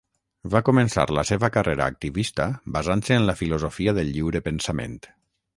Va començar la seva carrera activista basant-se en la filosofia del lliure pensament.